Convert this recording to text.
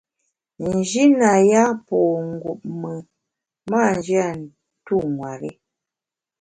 N’ji na po ngup mùn, m’a nji a tu nwer-i.